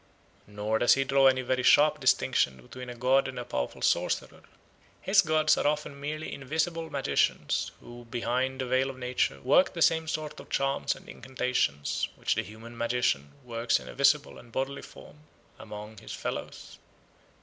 Nor does he draw any very sharp distinction between a god and a powerful sorcerer. His gods are often merely invisible magicians who behind the veil of nature work the same sort of charms and incantations which the human magician works in a visible and bodily form among his fellows.